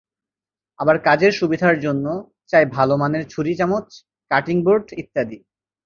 আবার কাজের সুবিধার জন্য চাই ভালো মানের ছুরি-চামচ, কাটিং বোর্ড ইত্যাদি।